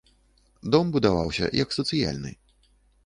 Дом будаваўся як сацыяльны.